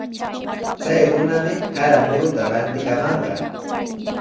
Chay runami sara muruta rantikamanqa.